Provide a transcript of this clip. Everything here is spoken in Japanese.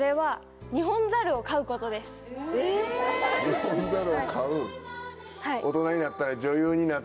ニホンザルを飼う。